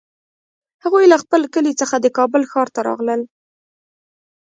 هغوی له خپل کلي څخه د کابل ښار ته راغلل